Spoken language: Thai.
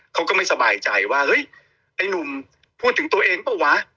เขาก็ไม่สบายใจว่าเฮ้ยไอ้หนุ่มพูดถึงตัวเองเปล่าวะ